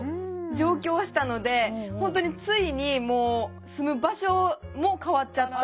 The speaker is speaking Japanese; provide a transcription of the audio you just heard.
上京したのでほんとについにもう住む場所も変わっちゃった。